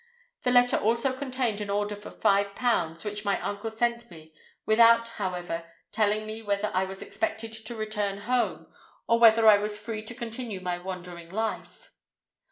The letter also contained an order for five pounds, which my uncle sent me, without, however, telling me whether I was expected to return home, or whether I was left free to continue my wandering life.